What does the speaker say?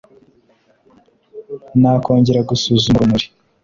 Nakongera gusuzuma urumuri